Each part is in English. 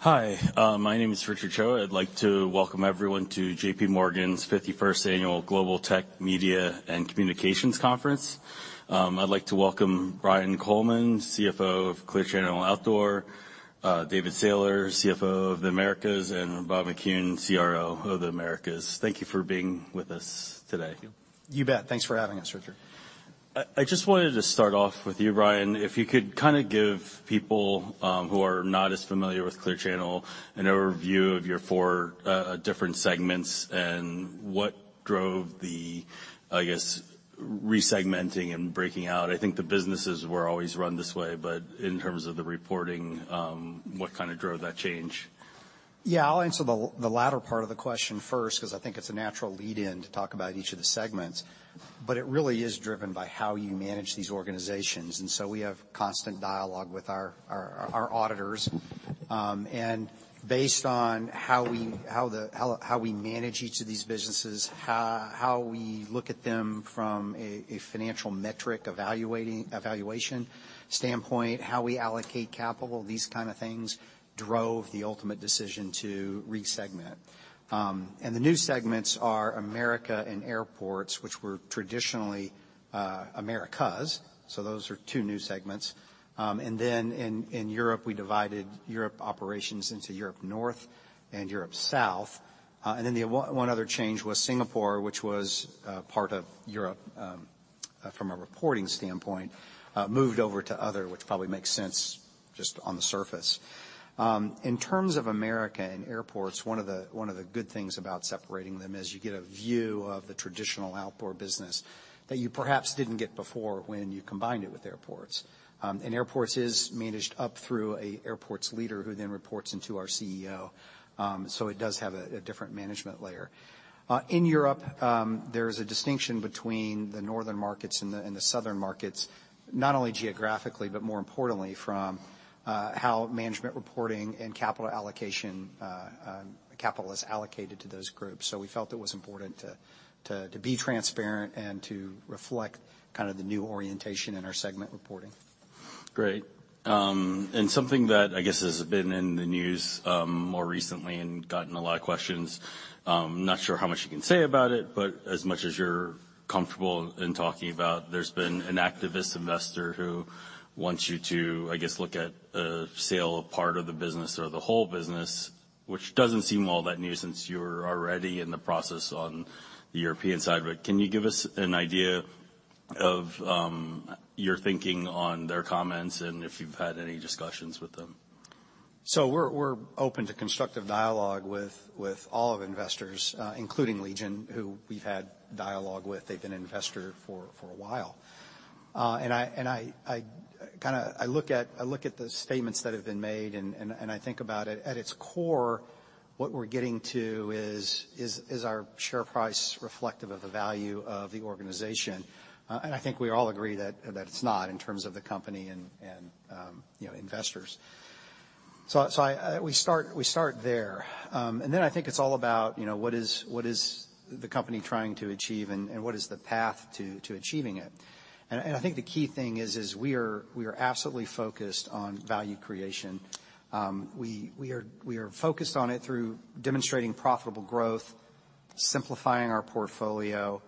Hi. My name is Richard Choe. I'd like to welcome everyone to JPMorgan's 51st annual Global Tech Media and Communications Conference. I'd like to welcome Brian Coleman, CFO of Clear Channel Outdoor, David Sailer, CFO of the Americas, and Bob McCuin, CRO of the Americas. Thank you for being with us today. You bet. Thanks for having us, Richard. I just wanted to start off with you, Brian. If you could kind of give people, who are not as familiar with Clear Channel an overview of your four different segments and what drove the, I guess, re-segmenting and breaking out? I think the businesses were always run this way, but in terms of the reporting, what kind of drove that change? Yeah, I'll answer the latter part of the question first, because I think it's a natural lead in to talk about each of the segments, but it really is driven by how you manage these organizations. We have constant dialogue with our auditors. Based on how we manage each of these businesses, how we look at them from a financial metric evaluation standpoint, how we allocate capital, these kind of things drove the ultimate decision to re-segment. The new segments are America and airports, which were traditionally Americas. Those are two new segments. Then in Europe, we divided Europe operations into Europe North and Europe South. The one other change was Singapore, which was part of Europe, from a reporting standpoint, moved over to other, which probably makes sense just on the surface. In terms of America and airports, one of the good things about separating them is you get a view of the traditional outdoor business that you perhaps didn't get before when you combined it with airports. Airports is managed up through a airports leader who then reports into our CEO. It does have a different management layer. In Europe, there's a distinction between the northern markets and the southern markets, not only geographically, but more importantly from how management reporting and capital allocation, capital is allocated to those groups. We felt it was important to be transparent and to reflect kind of the new orientation in our segment reporting. Great. Something that I guess has been in the news, more recently and gotten a lot of questions, I'm not sure how much you can say about it, but as much as you're comfortable in talking about, there's been an activist investor who wants you to, I guess, look at a sale of part of the business or the whole business, which doesn't seem all that new since you're already in the process on the European side. Can you give us an idea of your thinking on their comments and if you've had any discussions with them? We're open to constructive dialogue with all of investors, including Legion, who we've had dialogue with. They've been an investor for a while. I look at the statements that have been made, and I think about it. At its core, what we're getting to is our share price reflective of the value of the organization? I think we all agree that it's not in terms of the company and, you know, investors. We start there. Then I think it's all about, you know, what is the company trying to achieve and what is the path to achieving it. I think the key thing is we are absolutely focused on value creation. We are focused on it through demonstrating profitable growth, simplifying our portfolio,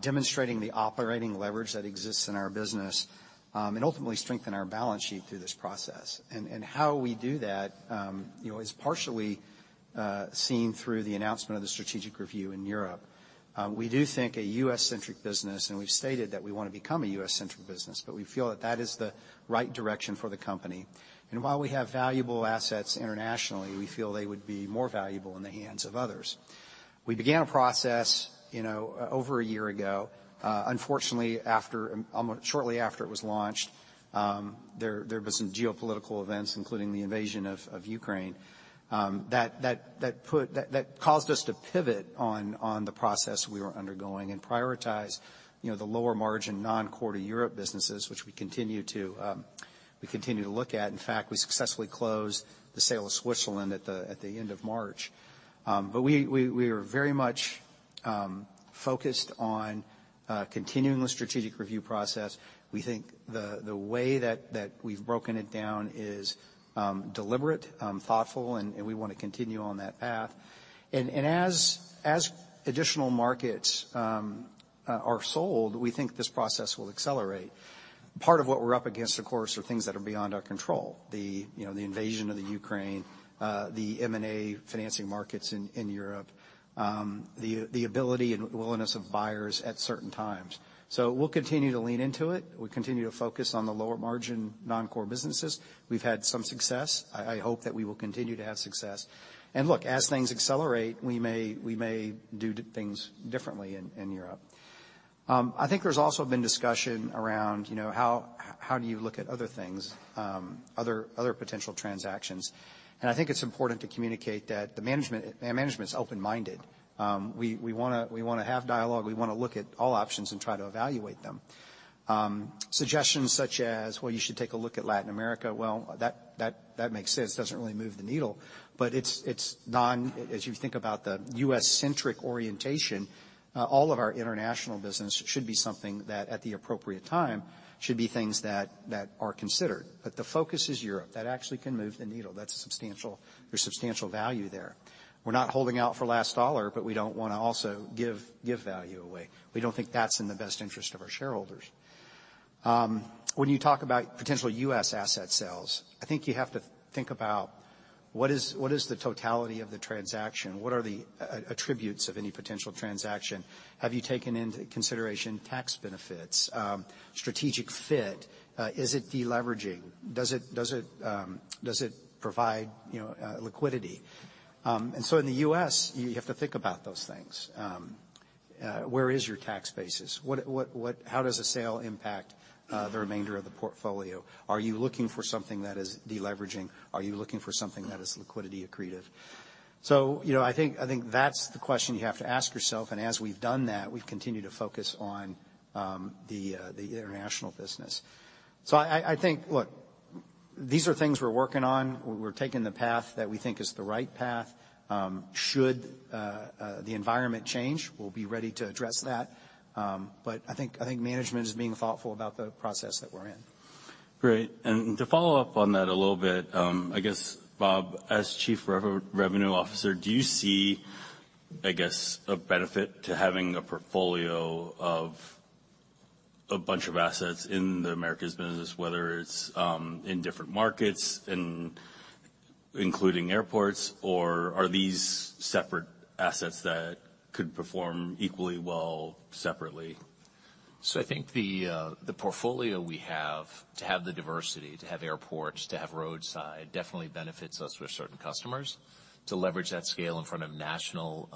demonstrating the operating leverage that exists in our business, and ultimately strengthen our balance sheet through this process. How we do that, you know, is partially seen through the announcement of the strategic review in Europe. We do think a U.S.-centric business, and we've stated that we wanna become a U.S.-centric business, but we feel that that is the right direction for the company. While we have valuable assets internationally, we feel they would be more valuable in the hands of others. We began a process, you know, over a year ago. Unfortunately, almost shortly after it was launched, there were some geopolitical events, including the invasion of Ukraine, that caused us to pivot on the process we were undergoing and prioritize, you know, the lower margin, non-core to Europe businesses, which we continue to look at. In fact, we successfully closed the sale of Switzerland at the end of March. We are very much focused on continuing the strategic review process. We think the way we've broken it down is deliberate, thoughtful, and we wanna continue on that path. As additional markets are sold, we think this process will accelerate. Part of what we're up against, of course, are things that are beyond our control. The, you know, the invasion of the Ukraine, the M&A financing markets in Europe, the ability and willingness of buyers at certain times. We'll continue to lean into it. We'll continue to focus on the lower margin, non-core businesses. We've had some success. I hope that we will continue to have success. Look, as things accelerate, we may do things differently in Europe. I think there's also been discussion around, you know, how do you look at other things, other potential transactions. I think it's important to communicate that the management's open-minded. We wanna have dialogue. We wanna look at all options and try to evaluate them. Suggestions such as, "Well, you should take a look at Latin America." Well, that makes sense. It's, it's as you think about the US-centric orientation, all of our international business should be something that, at the appropriate time, should be things that are considered. The focus is Europe. That actually can move the needle. There's substantial value there. We're not holding out for last dollar, but we don't wanna also give value away. We don't think that's in the best interest of our shareholders. When you talk about potential US asset sales, I think you have to think about what is the totality of the transaction? What are the attributes of any potential transaction? Have you taken into consideration tax benefits, strategic fit? Is it deleveraging? Does it provide, you know, liquidity? In the US, you have to think about those things. Where is your tax basis? How does a sale impact the remainder of the portfolio? Are you looking for something that is deleveraging? Are you looking for something that is liquidity accretive? You know, I think that's the question you have to ask yourself. As we've done that, we've continued to focus on the international business. I think. Look, these are things we're working on. We're taking the path that we think is the right path. Should the environment change, we'll be ready to address that. I think management is being thoughtful about the process that we're in. Great. To follow up on that a little bit, I guess, Bob, as Chief Revenue Officer, do you see, I guess, a benefit to having a portfolio of a bunch of assets in the Americas business, whether it's, in different markets, including airports? Or are these separate assets that could perform equally well separately? I think the portfolio we have, to have the diversity, to have airports, to have roadside, definitely benefits us with certain customers. To leverage that scale in front of national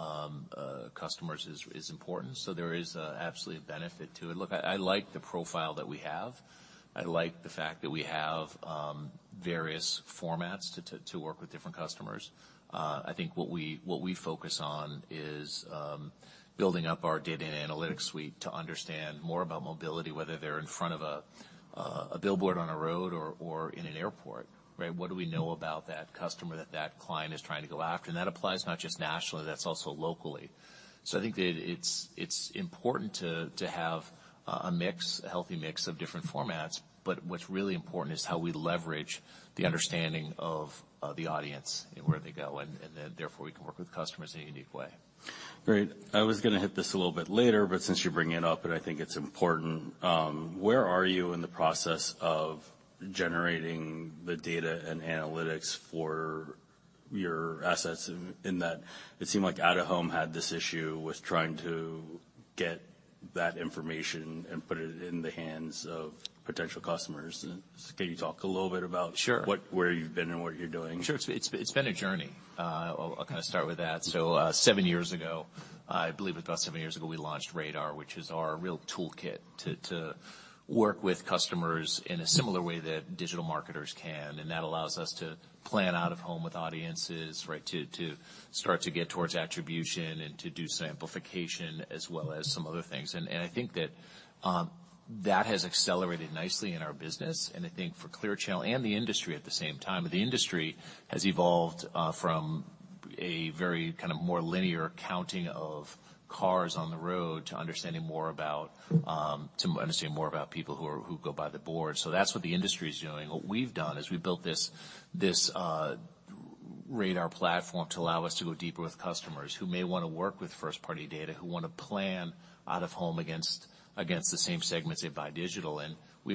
customers is important. There is absolutely a benefit to it. Look, I like the profile that we have. I like the fact that we have various formats to work with different customers. I think what we focus on is building up our data and analytics suite to understand more about mobility, whether they're in front of a billboard on a road or in an airport. Right? What do we know about that customer that client is trying to go after? That applies not just nationally, that's also locally. I think that it's important to have a mix, a healthy mix of different formats, but what's really important is how we leverage the understanding of the audience and where they go, and then therefore we can work with customers in a unique way. Great. I was gonna hit this a little bit later, but since you're bringing it up, and I think it's important. Where are you in the process of generating the data and analytics for your assets in that it seemed like out-of-home had this issue with trying to get that information and put it in the hands of potential customers? Can you talk a little bit about? Sure. Where you've been and what you're doing? Sure. It's, it's been a journey. I'll kind of start with that. Seven years ago, I believe it was about seven years ago, we launched RADAR, which is our real toolkit to work with customers in a similar way that digital marketers can, and that allows us to plan out-of-home with audiences, right. To start to get towards attribution and to do simplification as well as some other things. I think that has accelerated nicely in our business. I think for Clear Channel and the industry at the same time, the industry has evolved from a very kind of more linear counting of cars on the road to understanding more about to understanding more about people who go by the board. That's what the industry is doing. What we've done is we've built this RADAR platform to allow us to go deeper with customers who may wanna work with first-party data, who wanna plan out-of-home against the same segments they buy digital.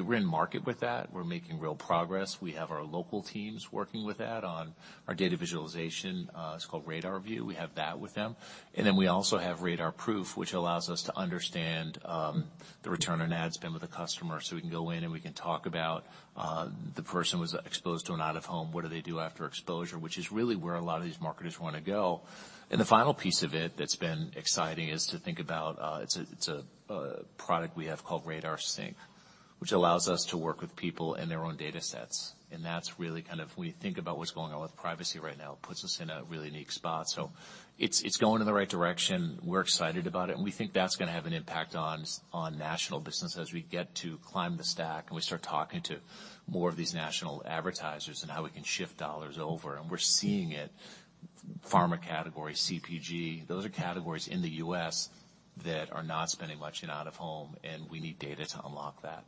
We're in market with that. We're making real progress. We have our local teams working with that on our data visualization. It's called RADARView. We have that with them. We also have RADARProof, which allows us to understand the return on ad spend with a customer. We can go in and we can talk about the person was exposed to an out-of-home, what do they do after exposure? Which is really where a lot of these marketers wanna go. The final piece of it that's been exciting is to think about, it's a product we have called RADARSync, which allows us to work with people in their own data sets. That's really kind of, when you think about what's going on with privacy right now, it puts us in a really unique spot. It's going in the right direction. We're excited about it. We think that's gonna have an impact on national business as we get to climb the stack, and we start talking to more of these national advertisers on how we can shift dollars over. We're seeing it, pharma category, CPG. Those are categories in the U.S. that are not spending much in out-of-home, and we need data to unlock that.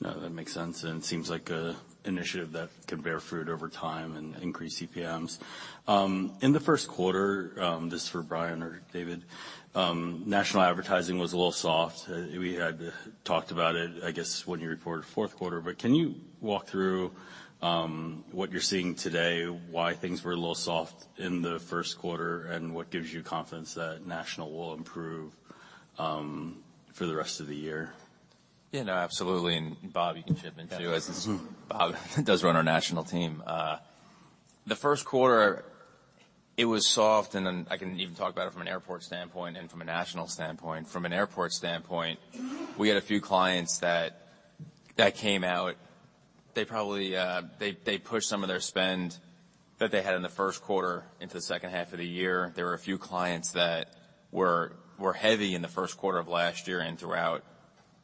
No, that makes sense, and it seems like a initiative that could bear fruit over time and increase CPMs. In the first quarter, this is for Brian or David, national advertising was a little soft. We had talked about it, I guess, when you reported fourth quarter. Can you walk through what you're seeing today, why things were a little soft in the first quarter, and what gives you confidence that national will improve for the rest of the year? Yeah. No, absolutely. Bob, you can chip in too, as Bob does run our national team. The first quarter, it was soft, and then I can even talk about it from an airport standpoint and from a national standpoint. From an airport standpoint, we had a few clients that came out. They probably, they pushed some of their spend that they had in the first quarter into the second half of the year. There were a few clients that were heavy in the first quarter of last year and throughout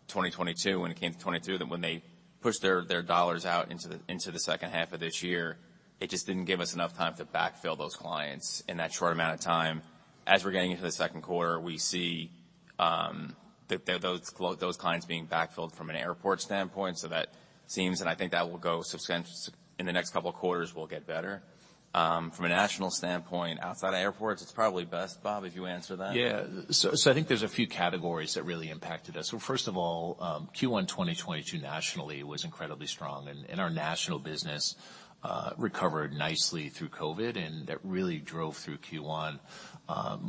2022. When it came to 2022, then when they pushed their dollars out into the second half of this year, it just didn't give us enough time to backfill those clients in that short amount of time. As we're getting into the second quarter, we see Those clients being backfilled from an airport standpoint, so that seems, and I think that will go sub-sub-- in the next couple of quarters will get better. From a national standpoint, outside of airports, it's probably best, Bob, if you answer that. Yeah. I think there's a few categories that really impacted us. Well, first of all, Q1 2022 nationally was incredibly strong, and our national business recovered nicely through COVID, and that really drove through Q1.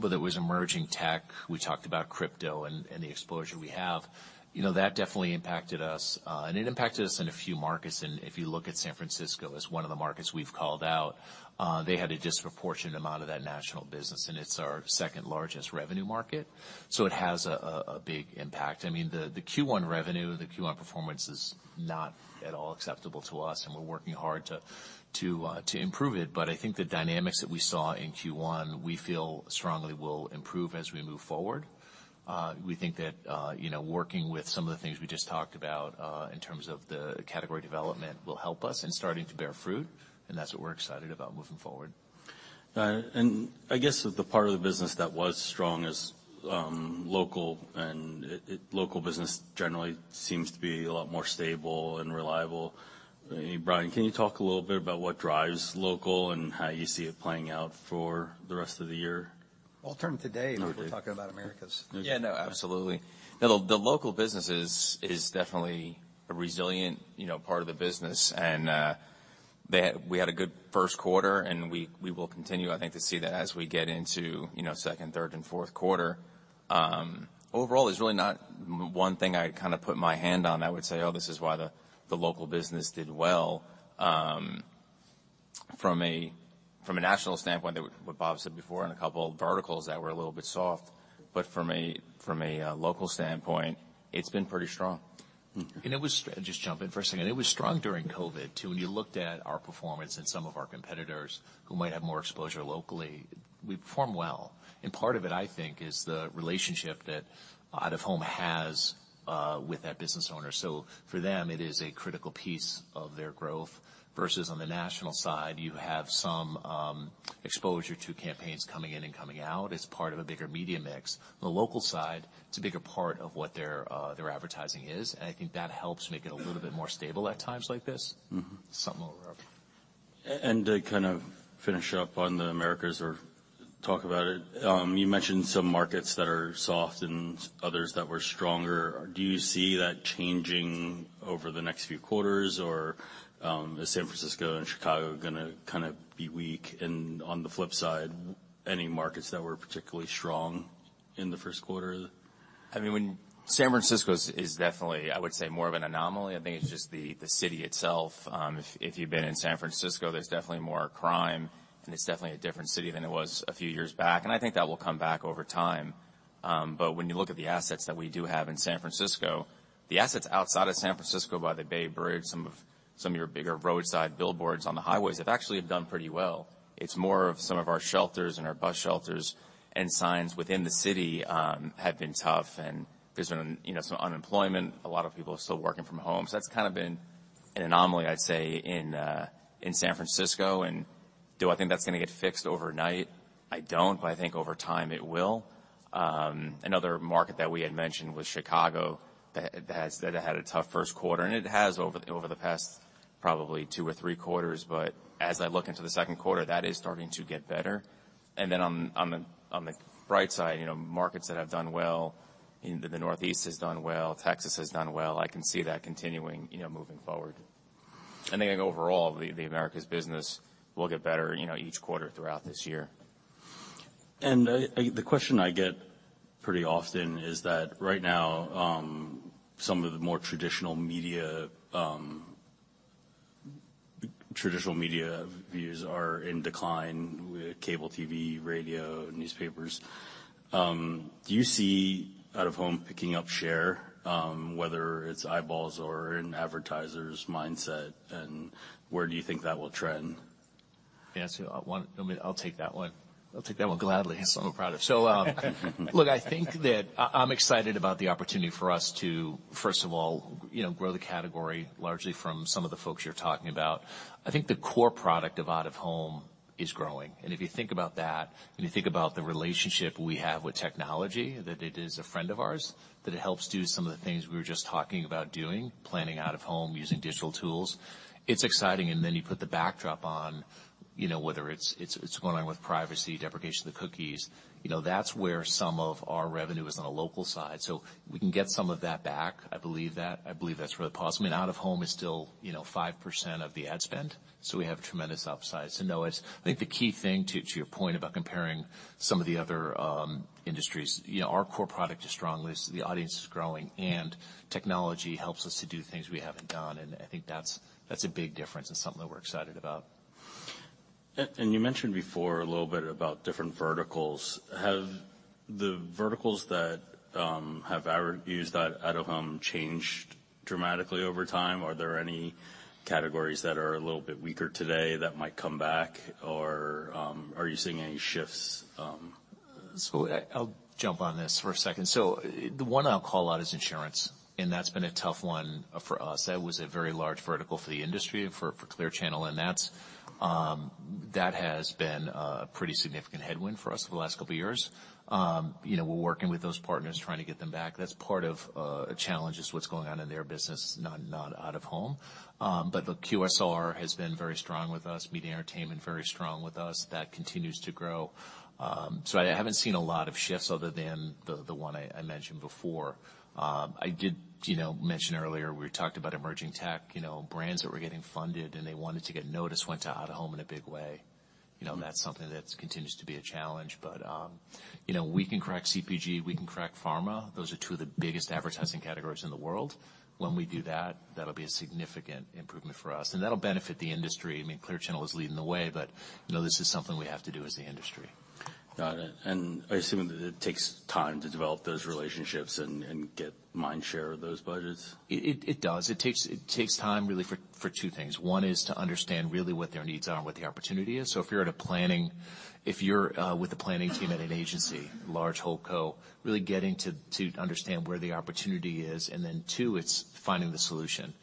There was emerging tech. We talked about crypto and the exposure we have. You know, that definitely impacted us. It impacted us in a few markets, and if you look at San Francisco as one of the markets we've called out, they had a disproportionate amount of that national business, and it's our second largest revenue market, so it has a big impact. I mean, the Q1 performance is not at all acceptable to us, and we're working hard to improve it. I think the dynamics that we saw in Q1, we feel strongly will improve as we move forward. We think that, you know, working with some of the things we just talked about, in terms of the category development will help us and starting to bear fruit, and that's what we're excited about moving forward. I guess the part of the business that was strong is local business generally seems to be a lot more stable and reliable. Brian, can you talk a little bit about what drives local and how you see it playing out for the rest of the year? Well, I'll turn it to Dave-. Okay. Because we're talking about Americas. Yeah, no, absolutely. The local business is definitely a resilient, you know, part of the business. We had a good first quarter, and we will continue, I think to see that as we get into, you know, second, third, and fourth quarter. Overall, there's really not one thing I kind of put my hand on that I would say, "Oh, this is why the local business did well." From a national standpoint, what Bob said before in a couple of verticals that were a little bit soft. From a local standpoint, it's been pretty strong. Mm-hmm. I'll just jump in for a second. It was strong during COVID too. When you looked at our performance and some of our competitors who might have more exposure locally, we performed well. Part of it, I think, is the relationship that out-of-home has with that business owner. For them, it is a critical piece of their growth versus on the national side, you have some exposure to campaigns coming in and coming out as part of a bigger media mix. On the local side, it's a bigger part of what their advertising is, and I think that helps make it a little bit more stable at times like this. Mm-hmm. Something I'll wrap. To kind of finish up on the Americas or talk about it, you mentioned some markets that are soft and others that were stronger. Do you see that changing over the next few quarters, or, is San Francisco and Chicago gonna kinda be weak? On the flip side, any markets that were particularly strong in the first quarter? I mean, San Francisco is definitely, I would say, more of an anomaly. I think it's just the city itself. If you've been in San Francisco, there's definitely more crime, and it's definitely a different city than it was a few years back. I think that will come back over time. But when you look at the assets that we do have in San Francisco, the assets outside of San Francisco by the Bay Bridge, some of your bigger roadside billboards on the highways have actually done pretty well. It's more of some of our shelters and our bus shelters and signs within the city have been tough. There's been, you know, some unemployment. A lot of people are still working from home. That's kind of been an anomaly, I'd say, in San Francisco. Do I think that's gonna get fixed overnight? I don't. I think over time, it will. Another market that we had mentioned was Chicago that had a tough first quarter, and it has over the past probably two or three quarters. As I look into the second quarter, that is starting to get better. On the bright side, you know, markets that have done well, in the Northeast has done well. Texas has done well. I can see that continuing, you know, moving forward. I think overall, the Americas business will get better, you know, each quarter throughout this year. The question I get pretty often is that right now, some of the more traditional media views are in decline with cable TV, radio, newspapers. Do you see out-of-home picking up share, whether it's eyeballs or in advertisers' mindset, and where do you think that will trend? May I answer? I'll take that one. I'll take that one gladly. That's something I'm proud of. Look, I think that I'm excited about the opportunity for us to, first of all, you know, grow the category largely from some of the folks you're talking about. I think the core product of out-of-home is growing. If you think about that, and you think about the relationship we have with technology, that it is a friend of ours, that it helps do some of the things we were just talking about doing, planning out-of-home, using digital tools, it's exciting. You put the backdrop on, you know, whether it's, it's going on with privacy, deprecation of the cookies. You know, that's where some of our revenue is on the local side. We can get some of that back, I believe that. I believe that's really possible. I mean, out-of-home is still, you know, 5% of the ad spend. We have tremendous upside. I think the key thing to your point about comparing some of the other industries, you know, our core product is strong. The audience is growing. Technology helps us to do things we haven't done. I think that's a big difference and something that we're excited about. You mentioned before a little bit about different verticals. Have the verticals that have ever used out-of-home changed dramatically over time? Are there any categories that are a little bit weaker today that might come back? Are you seeing any shifts? I'll jump on this for a second. The one I'll call out is insurance, and that's been a tough one for us. That was a very large vertical for the industry, for Clear Channel, and that's. That has been a pretty significant headwind for us for the last couple of years. You know, we're working with those partners trying to get them back. That's part of a challenge is what's going on in their business, not out-of-home. The QSR has been very strong with us, media entertainment, very strong with us. That continues to grow. I haven't seen a lot of shifts other than the one I mentioned before. I did, you know, mention earlier, we talked about emerging tech, you know, brands that were getting funded and they wanted to get noticed, went to out-of-home in a big way. You know, that's something that's continues to be a challenge. You know, we can crack CPG, we can crack pharma. Those are two of the biggest advertising categories in the world. When we do that'll be a significant improvement for us, and that'll benefit the industry. I mean, Clear Channel is leading the way, but, you know, this is something we have to do as the industry. Got it. I assume that it takes time to develop those relationships and get mind share of those budgets. It does. It takes time really for two things. One is to understand really what their needs are and what the opportunity is. If you're with the planning team at an agency, large whole co, really getting to understand where the opportunity is, two, it's finding the solution.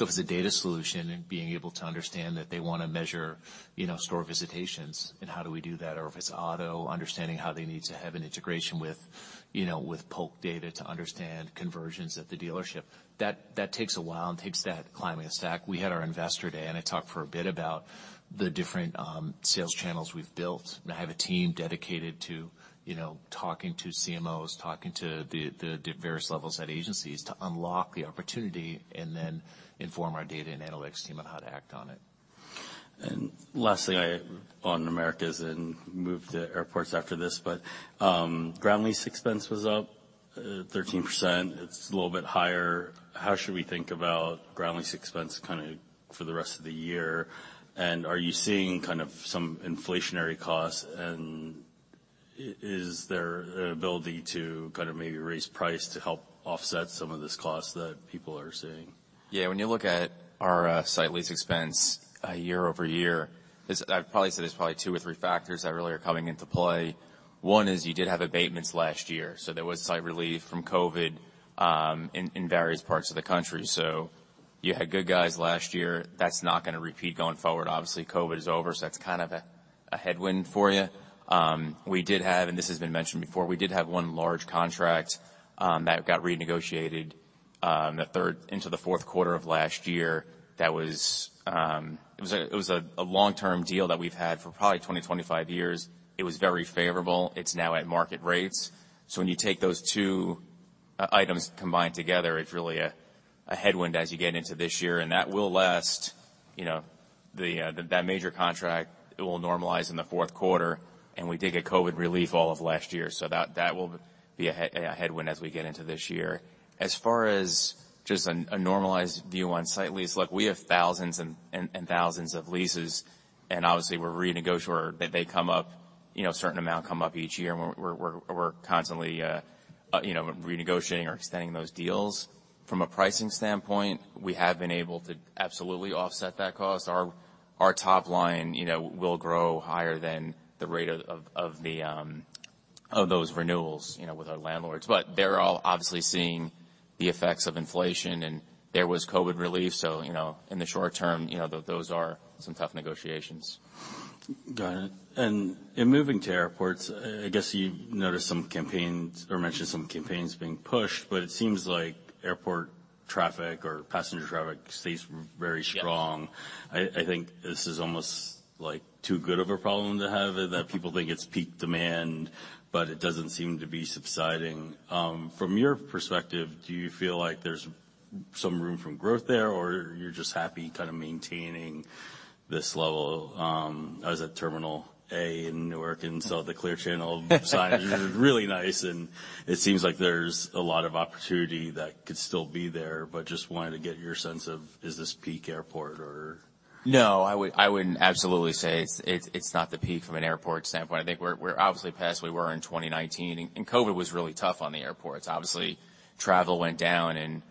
If it's a data solution being able to understand that they wanna measure, you know, store visitations, how do we do that? If it's auto, understanding how they need to have an integration with, you know, with Polk data to understand conversions at the dealership. That takes a while and takes that climbing the stack. We had our investor day, I talked for a bit about the different sales channels we've built. I have a team dedicated to, you know, talking to CMOs, talking to the various levels at agencies to unlock the opportunity and then inform our data and analytics team on how to act on it. Lastly, I on Americas and move to airports after this, but ground lease expense was up 13%. It's a little bit higher. How should we think about ground lease expense kinda for the rest of the year? Are you seeing kind of some inflationary costs? Is there ability to kinda maybe raise price to help offset some of this cost that people are seeing? Yeah. When you look at our site lease expense year-over-year, I'd probably say there's probably two or three factors that really are coming into play. One is you did have abatements last year, so there was site relief from COVID in various parts of the country. You had good guys last year. That's not gonna repeat going forward. COVID is over, so that's kind of a headwind for you. We did have, this has been mentioned before, we did have one large contract that got renegotiated the third into the fourth quarter of last year. It was a long-term deal that we've had for probably 20 years-25 years. It was very favorable. It's now at market rates. When you take those two items combined together, it's really a headwind as you get into this year, and that will last, you know, that major contract will normalize in the fourth quarter, and we did get COVID relief all of last year. That will be a headwind as we get into this year. As far as just a normalized view on site lease, look, we have thousands and thousands of leases, and obviously we're renegotiate or they come up, you know, a certain amount come up each year, and we're constantly renegotiating or extending those deals. From a pricing standpoint, we have been able to absolutely offset that cost. Our top line, you know, will grow higher than the rate of the of those renewals, you know, with our landlords. They're all obviously seeing the effects of inflation, and there was COVID relief. You know, in the short term, you know, those are some tough negotiations. Got it. In moving to airports, I guess you noticed some campaigns or mentioned some campaigns being pushed, but it seems like airport traffic or passenger traffic stays very strong. Yes. I think this is almost, like, too good of a problem to have, that people think it's peak demand, but it doesn't seem to be subsiding. From your perspective, do you feel like there's some room for growth there, or you're just happy kind of maintaining this level? I was at Terminal A in Newark, and saw the Clear Channel sign. It was really nice, and it seems like there's a lot of opportunity that could still be there. Just wanted to get your sense of, is this peak airport or? No. I wouldn't absolutely say it's not the peak from an airport standpoint. I think we're obviously past where we were in 2019, and COVID was really tough on the airports. Obviously, travel went down and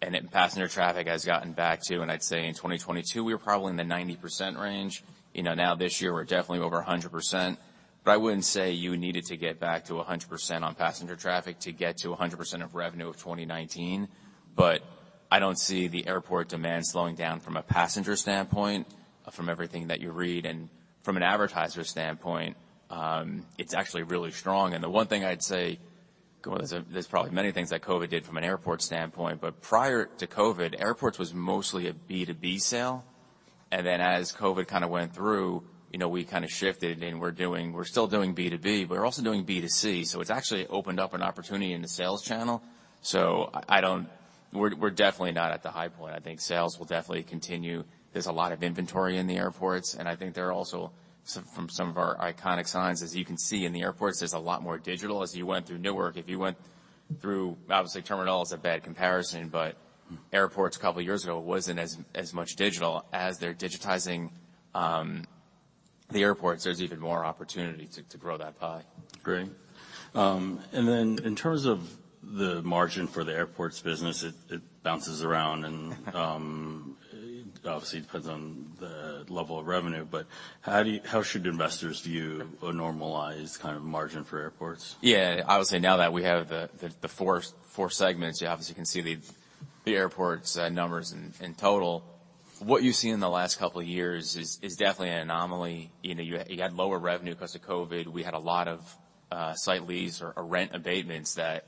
then passenger traffic has gotten back too, and I'd say in 2022 we were probably in the 90% range. You know, now this year we're definitely over 100%. I wouldn't say you needed to get back to 100% on passenger traffic to get to 100% of revenue of 2019. I don't see the airport demand slowing down from a passenger standpoint, from everything that you read. From an advertiser standpoint, it's actually really strong. The one thing I'd say... There's probably many things that COVID did from an airport standpoint. Prior to COVID, airports was mostly a B2B sale. As COVID kind of went through, you know, we kind of shifted and we're still doing B2B, but we're also doing B2C. It's actually opened up an opportunity in the sales channel. I don't. We're definitely not at the high point. I think sales will definitely continue. There's a lot of inventory in the airports, and I think there are also some of our iconic signs. As you can see in the airports, there's a lot more digital. As you went through Newark, if you went through, obviously terminal is a bad comparison, but airports a couple of years ago wasn't as much digital. As they're digitizing, the airports, there's even more opportunity to grow that pie. Great. In terms of the margin for the airports business, it bounces around and obviously depends on the level of revenue, but how should investors view a normalized kind of margin for airports? Yeah. I would say now that we have the four segments, you obviously can see the airports numbers in total, what you see in the last couple of years is definitely an anomaly. You know, you had lower revenue 'cause of COVID. We had a lot of site lease or rent abatements that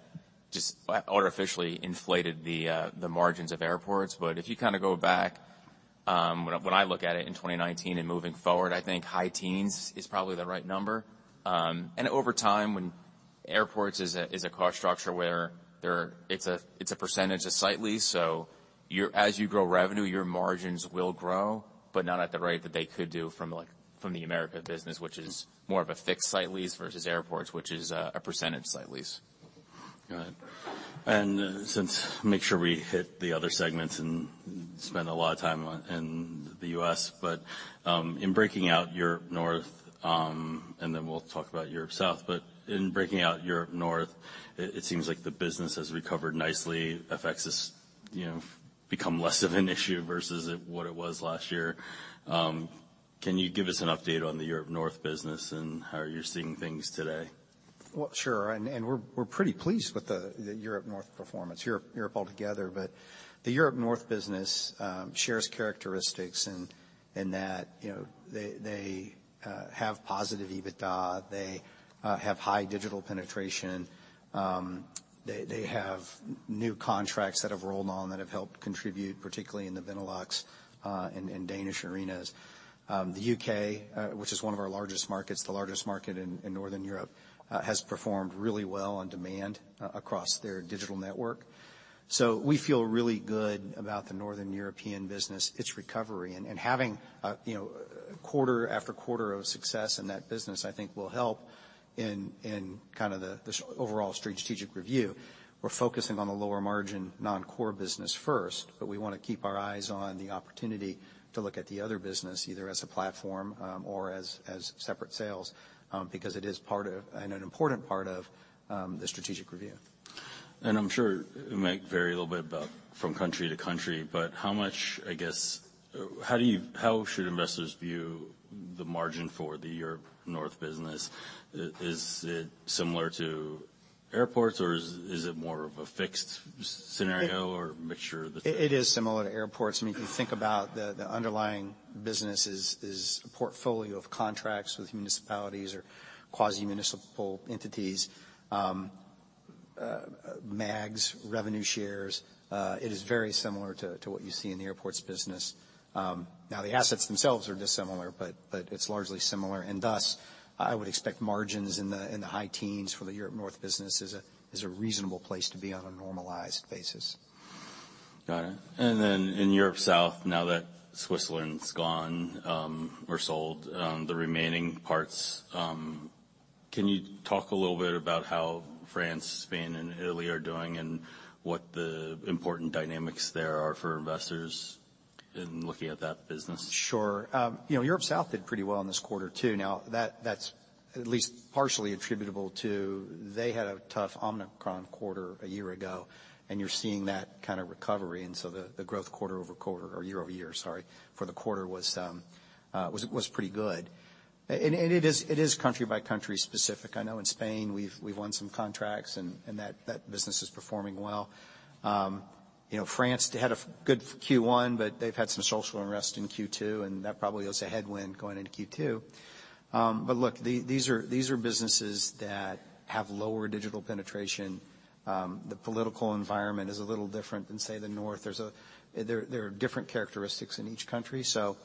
just artificially inflated the margins of airports. If you kinda go back, when I look at it in 2019 and moving forward, I think high teens is probably the right number. Over time, when airports is a cost structure where there... It's a percentage of site lease, so as you grow revenue, your margins will grow, but not at the rate that they could do from like, from the Americas business, which is more of a fixed site lease versus airports, which is a percentage site lease. Got it. Since make sure we hit the other segments and spend a lot of time in the U.S. In breaking out Europe North, and then we'll talk about Europe South. In breaking out Europe North, it seems like the business has recovered nicely. FX has, you know, become less of an issue versus what it was last year. Can you give us an update on the Europe North business and how you're seeing things today? Well, sure. We're pretty pleased with the Europe North performance. Europe altogether. The Europe North business shares characteristics in that, you know, they have positive EBITDA. They have high digital penetration. They have new contracts that have rolled on that have helped contribute, particularly in the Benelux and Danish arenas. The UK, which is one of our largest markets, the largest market in Northern Europe, has performed really well on demand across their digital network. We feel really good about the Northern European business, its recovery. Having a, you know, quarter after quarter of success in that business, I think will help in kind of this overall strategic review. We're focusing on the lower margin, non-core business first, we wanna keep our eyes on the opportunity to look at the other business, either as a platform, or as separate sales, because it is part of, and an important part of, the strategic review. I'm sure it might vary a little bit from country to country, but how much, I guess. How should investors view the margin for the Europe North business? Is it similar to airports or is it more of a fixed scenario or mixture of the two? It is similar to airports. I mean, if you think about the underlying business is a portfolio of contracts with municipalities or quasi-municipal entities. mags, revenue shares, it is very similar to what you see in the airports business. Now, the assets themselves are dissimilar, but it's largely similar. Thus, I would expect margins in the high teens for the Europe North business is a reasonable place to be on a normalized basis. Got it. In Europe South, now that Switzerland's gone, or sold, the remaining parts, can you talk a little bit about how France, Spain, and Italy are doing and what the important dynamics there are for investors in looking at that business? Sure. you know, Europe South did pretty well in this quarter, too. That's at least partially attributable to they had a tough Omicron quarter a year ago, you're seeing that kind of recovery. The growth quarter-over-quarter or year-over-year, sorry, for the quarter was pretty good. It is country by country specific. I know in Spain we've won some contracts and that business is performing well. you know, France, they had a good Q1, they've had some social unrest in Q2, that probably is a headwind going into Q2. Look, these are businesses that have lower digital penetration. The political environment is a little different than, say, the North. There are different characteristics in each country. You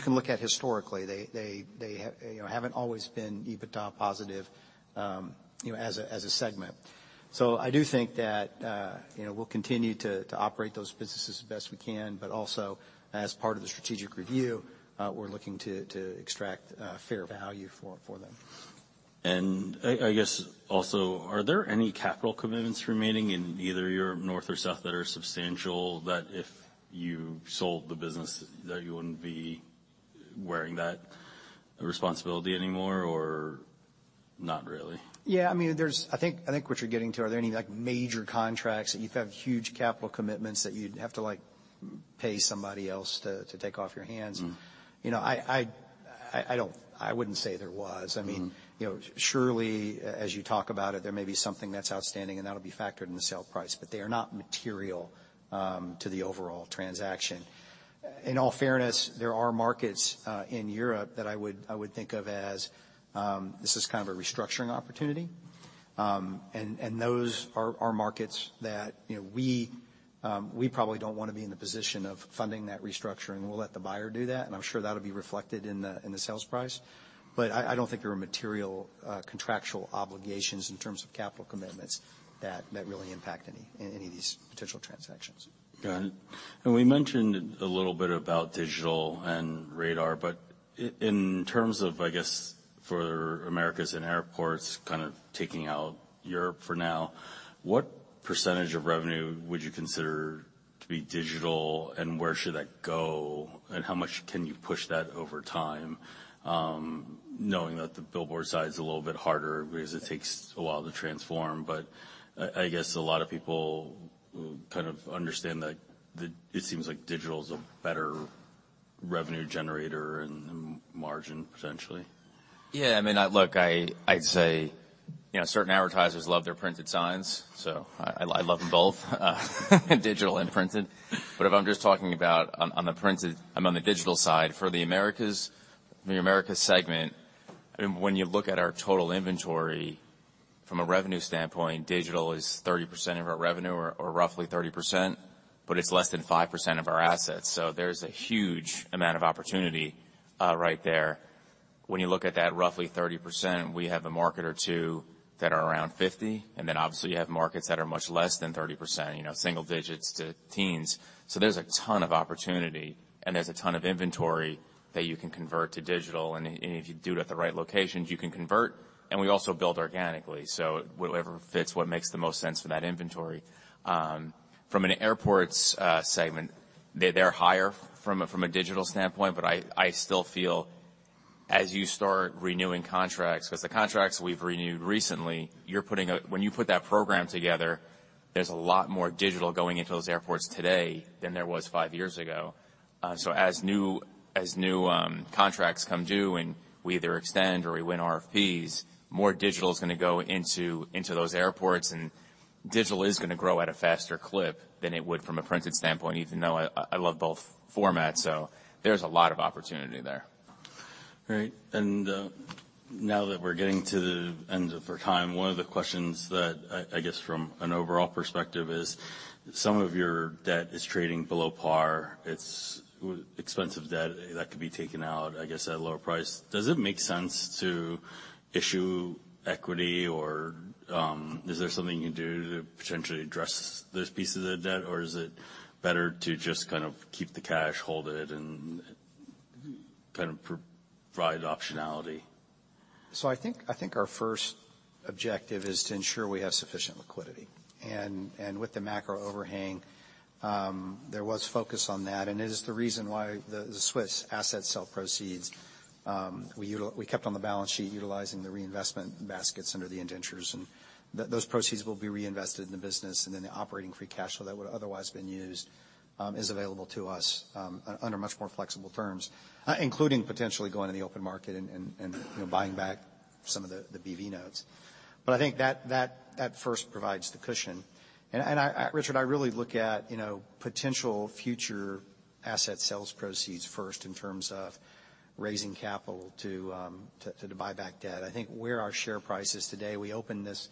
can look at historically, they haven't always been EBITDA positive as a segment. I do think that we'll continue to operate those businesses as best we can, but also as part of the strategic review, we're looking to extract fair value for them. I guess also, are there any capital commitments remaining in either Europe North or South that are substantial, that if you sold the business that you wouldn't be wearing that responsibility anymore or not really? Yeah, I mean, there's I think what you're getting to, are there any, like, major contracts that you'd have huge capital commitments that you'd have to, like, pay somebody else to take off your hands? Mm-hmm. You know, I wouldn't say there was. Mm-hmm. I mean, you know, surely as you talk about it, there may be something that's outstanding and that'll be factored in the sale price, but they are not material to the overall transaction. In all fairness, there are markets in Europe that I would think of as this is kind of a restructuring opportunity. Those are markets that, you know, we probably don't wanna be in the position of funding that restructuring. We'll let the buyer do that, and I'm sure that'll be reflected in the sales price. I don't think there are material contractual obligations in terms of capital commitments that really impact any of these potential transactions. Got it. We mentioned a little bit about digital and RADAR, in terms of, I guess, for Americas and airports, kind of taking out Europe for now, what % of revenue would you consider to be digital and where should that go and how much can you push that over time, knowing that the billboard side is a little bit harder because it takes a while to transform. I guess a lot of people kind of understand that it seems like digital is a better revenue generator and margin potentially. Yeah, I mean, look, I'd say, you know, certain advertisers love their printed signs, so I love them both, digital and printed. If I'm just talking about on the printed... I'm on the digital side for the Americas, the America segment, and when you look at our total inventory from a revenue standpoint, digital is 30% of our revenue or roughly 30%, but it's less than 5% of our assets. There's a huge amount of opportunity, right there. When you look at that roughly 30%, we have a market or two that are around 50, and then obviously you have markets that are much less than 30%, you know, single digits to teens. There's a ton of opportunity, and there's a ton of inventory that you can convert to digital, and if you do it at the right locations, you can convert, and we also build organically. Whatever fits what makes the most sense for that inventory. From an airports segment, they're higher from a, from a digital standpoint, but I still feel as you start renewing contracts, 'cause the contracts we've renewed recently, you're putting when you put that program together, there's a lot more digital going into those airports today than there was five years ago. As new contracts come due and we either extend or we win RFPs, more digital is gonna go into those airports. Digital is gonna grow at a faster clip than it would from a printed standpoint, even though I love both formats. There's a lot of opportunity there. Great. Now that we're getting to the end of our time, one of the questions that I guess from an overall perspective is, some of your debt is trading below par. It's expensive debt that could be taken out, I guess, at a lower price. Does it make sense to issue equity or is there something you can do to potentially address those pieces of debt? Is it better to just kind of keep the cash hold it and kind of provide optionality? I think our first objective is to ensure we have sufficient liquidity. With the macro overhang, there was focus on that. It is the reason why the Swiss asset sale proceeds, we kept on the balance sheet utilizing the reinvestment baskets under the indentures, and those proceeds will be reinvested in the business and then the operating free cash flow that would have otherwise been used, is available to us, under much more flexible terms, including potentially going in the open market and, you know, buying back some of the BV notes. I think that first provides the cushion. Richard, I really look at, you know, potential future asset sales proceeds first in terms of raising capital to buy back debt. I think where our share price is today, we opened this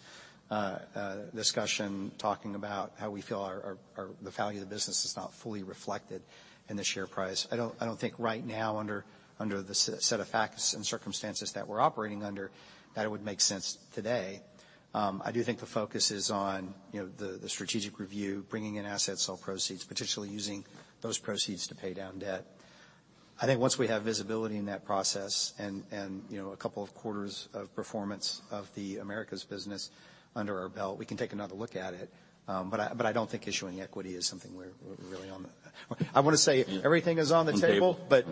discussion talking about how we feel our, the value of the business is not fully reflected in the share price. I don't think right now under the set of facts and circumstances that we're operating under that it would make sense today. I do think the focus is on, you know, the strategic review, bringing in assets or proceeds, potentially using those proceeds to pay down debt. I think once we have visibility in that process and, you know, a couple of quarters of performance of the Americas business under our belt, we can take another look at it. I don't think issuing equity is something we're really on the... I want to say everything is on the table, but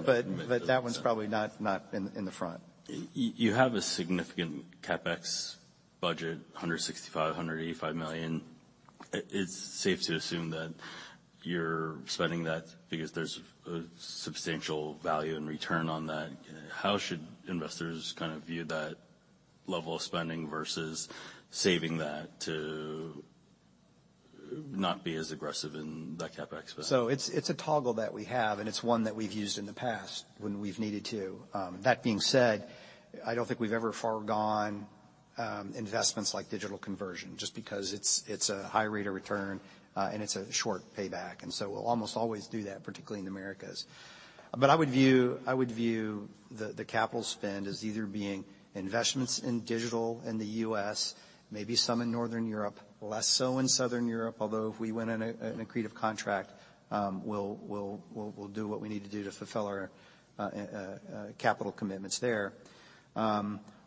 that one's probably not in the front. You have a significant CapEx budget, $165 million-$185 million. It's safe to assume that you're spending that because there's a substantial value in return on that. How should investors kind of view that level of spending versus saving that to not be as aggressive in that CapEx spend? It's a toggle that we have, and it's one that we've used in the past when we've needed to. That being said, I don't think we've ever foregone investments like digital conversion just because it's a high rate of return, and it's a short payback, so we'll almost always do that, particularly in Americas. I would view the capital spend as either being investments in digital in the U.S., maybe some in Northern Europe, less so in Southern Europe. Although if we win an accretive contract, we'll do what we need to do to fulfill our capital commitments there.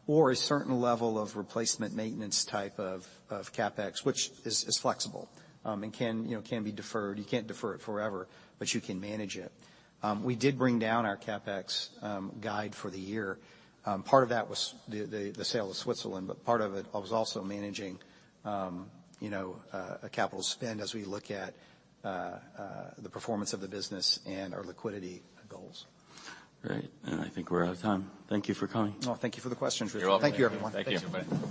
Or a certain level of replacement maintenance type of CapEx, which is flexible, and can, you know, be deferred. You can't defer it forever, but you can manage it. We did bring down our CapEx guide for the year. Part of that was the sale of Switzerland, but part of it was also managing, you know, a capital spend as we look at the performance of the business and our liquidity goals. Great. I think we're out of time. Thank you for coming. Well, thank you for the question, Richard. You're welcome. Thank you, everyone. Thanks, everybody.